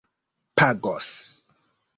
pagos